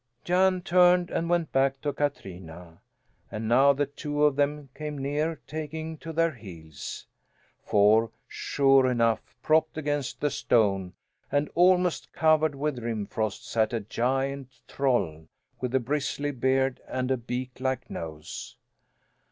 Jan turned and went back to Katrina. And now the two of them came near taking to their heels; for, sure enough, propped against the stone and almost covered with rim frost sat a giant troll, with a bristly beard and a beak like nose!